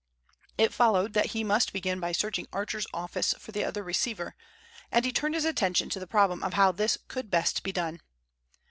It followed that he must begin by searching Archer's office for the other receiver, and he turned his attention to the problem of how this could best be done.